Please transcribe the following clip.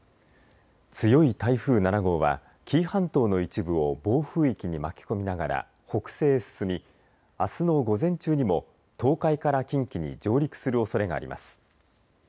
強い台風７号は紀伊半島の一部を暴風域に巻き込みながら北西へ進みあすの午前中にも東海から近畿に上陸するおそれがあります。